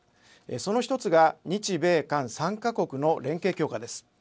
その１つが日米韓３か国の連携強化です。